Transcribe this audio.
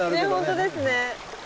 本当ですね。